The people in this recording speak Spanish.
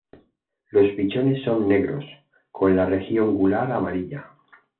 Los pichones son negros, con la región gular amarilla.